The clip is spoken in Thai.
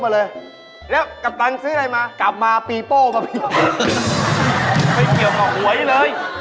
ปลอแหวนปลอย่อยักฮื้อ